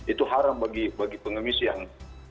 itu haram bagi pengemis yang